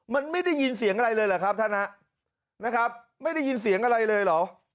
มันไม่ได้ยินเสียงอะไรเลยเหรอครับท่านฮะนะครับไม่ได้ยินเสียงอะไรเลยเหรอ